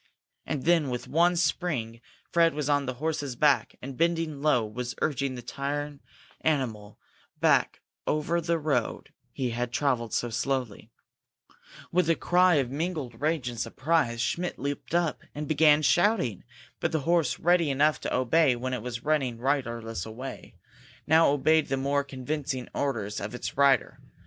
And then, with one spring, Fred was on the horse's back, and, bending low, was urging the tired animal back over the road he had travelled so slowly. With a cry of mingled rage and surprise Schmidt leaped up and began shouting. But the horse, ready enough to obey when it was running riderless away, now obeyed the more convincing orders of its rider.